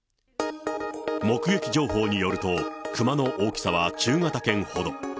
目撃情報によると、クマの大きさは中型犬ほど。